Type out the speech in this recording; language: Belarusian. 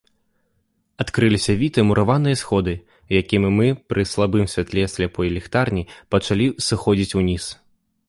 Адкрыліся вітыя мураваныя сходы, якімі мы пры слабым святле сляпой ліхтарні пачалі сыходзіць уніз.